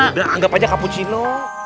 udah anggap aja capuccino